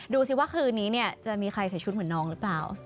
ดูสิว่าคืนนี้เนี่ยจะมีใครใส่ชุดเหมือนน้องหรือเปล่า